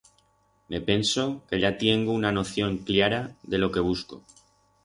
Me penso que ya tiengo una noción cllara de lo que busco.